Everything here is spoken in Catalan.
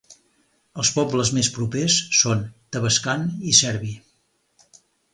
Els pobles més propers són Tavascan i Cerbi.